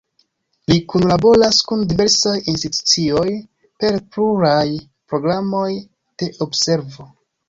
Li kunlaboras kun diversaj institucioj per pluraj programoj de observo.